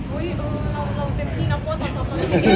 อุ้ยเราเต็มที่นะพวกท่อชอบ